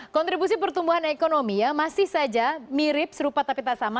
kontribusi pertumbuhan ekonomi ya masih saja mirip serupa tapi tak sama